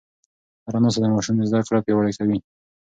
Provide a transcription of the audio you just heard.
هره ناسته د ماشوم زده کړه پیاوړې کوي.